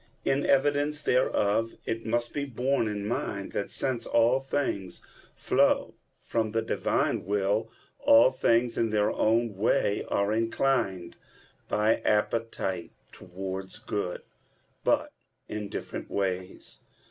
In evidence thereof, it must be borne in mind that, since all things flow from the Divine will, all things in their own way are inclined by appetite towards good, but in different ways.